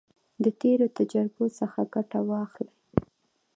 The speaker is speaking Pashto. د تیرو تجربو څخه ګټه واخلئ.